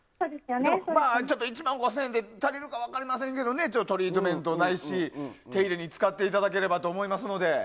１万５０００円で足りるか分かりませんけどトリートメント代手入れとかに使ってもらえればと思いますので。